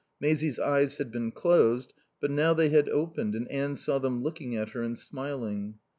Maisie's eyes had been closed, but now they had opened, and Anne saw them looking at her and smiling.